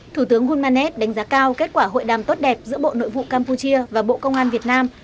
thủ tướng hulmanet đánh giá cao kết quả hội đàm tốt đẹp giữa bộ nội vụ campuchia và bộ công an việt nam